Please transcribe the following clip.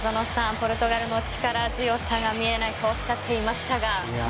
ポルトガルの力強さが見えないとおっしゃっていましたが。